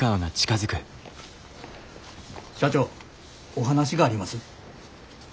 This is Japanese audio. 社長お話があります。